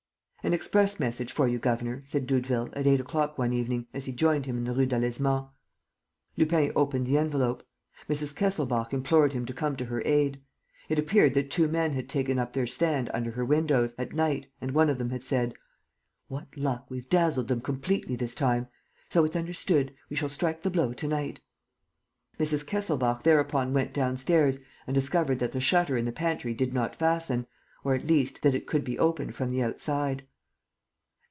"An express message for you, governor," said Doudeville, at eight o'clock one evening, as he joined him in the Rue Delaizement. Lupin opened the envelope. Mrs. Kesselbach implored him to come to her aid. It appeared that two men had taken up their stand under her windows, at night, and one of them had said: "What luck, we've dazzled them completely this time! So it's understood; we shall strike the blow to night." Mrs. Kesselbach thereupon went downstairs and discovered that the shutter in the pantry did not fasten, or, at least, that it could be opened from the outside.